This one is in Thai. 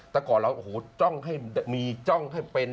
แต่ก่อนเราโอ้โหจ้องให้มีจ้องให้เป็น